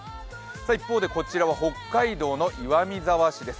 一方でこちらは北海道の岩見沢市です。